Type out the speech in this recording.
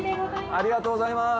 ありがとうございます。